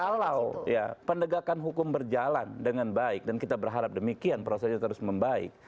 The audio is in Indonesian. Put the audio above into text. kalau penegakan hukum berjalan dengan baik dan kita berharap demikian prosesnya terus membaik